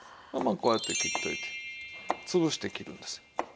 まあこうやって切っておいてつぶして切るんです。